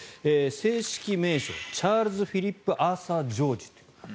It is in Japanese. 正式名称がチャールズ・フィリップ・アーサー・ジョージという。